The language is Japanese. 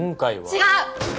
違う！